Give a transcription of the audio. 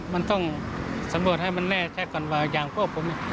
มันต้องสมบูรณ์ให้มันแน่แชดก่อนว่าอย่างพวกผม